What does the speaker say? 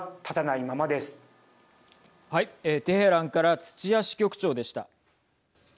テヘランから土屋支局長でした。